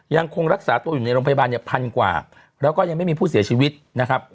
ยังคงรักษาตัวอยู่ในโรงพยาบาลเนี่ยพันกว่าแล้วก็ยังไม่มีผู้เสียชีวิตนะครับ